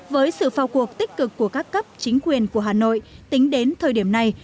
với sự phao cuộc tích cực của các cấp chính quyền của hà nội tính đến thời điểm này